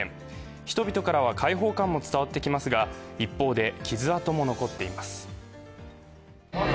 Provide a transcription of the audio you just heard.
人々からは解放感も伝わってきますが、一方で傷痕も残っています。